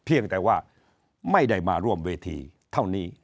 เพียงแต่ว่าไม่ได้มาร่วมเวทีเท่านี้